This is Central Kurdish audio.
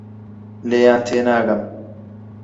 لێیان تێناگەم.